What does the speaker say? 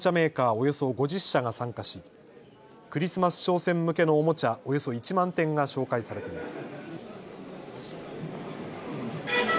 およそ５０社が参加しクリスマス商戦向けのおもちゃおよそ１万点が紹介されています。